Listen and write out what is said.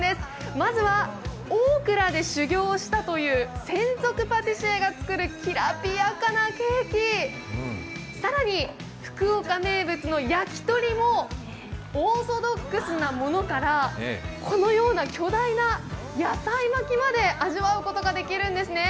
まずはオークラで修行をしたという専属パティシエが作るきらびやかなケーキ、更に福岡名物の焼き鳥もオーソドックスなものから、巨大な野菜巻きまで味わうことができるんですね。